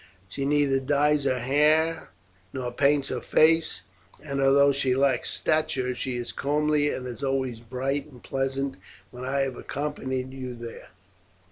She neither dyes her hair nor paints her face, and although she lacks stature, she is comely, and is always bright and pleasant when I have accompanied you there.